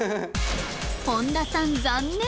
本田さん残念